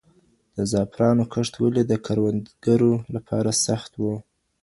د زعفرانو کښت ولي د کروندګرو لپاره سخت و؟